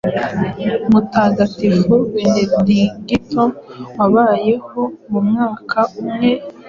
Mutagatifu Benendigito wabayeho mu mwaka umwe